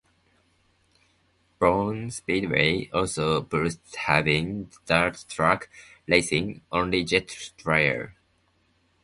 Boone Speedway also boasts having Dirt Track Racing's Only Jet Dryer.